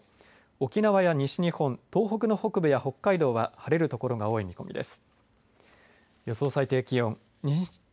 沖縄や西日本東北の北部、北海道は晴れる所が多い見込みです。